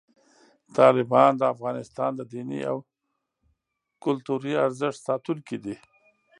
طالبان د افغانستان د دیني او کلتوري ارزښتونو ساتونکي دي.